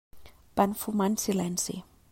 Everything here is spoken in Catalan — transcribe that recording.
Van fumar en silenci.